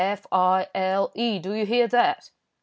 F. I. L. E. Do you hear that?"